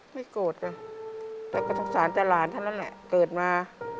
ไม่โกรธอ่ะแต่ก็ทรงสารแต่หลานฉันนั้นแหละเกิดมา